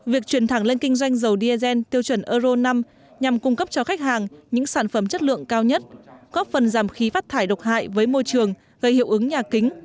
việc chuyển thẳng lên kinh doanh dầu diesel tiêu chuẩn euro năm nhằm cung cấp cho khách hàng những sản phẩm chất lượng cao nhất có phần giảm khí phát thải độc hại với môi trường gây hiệu ứng nhà kính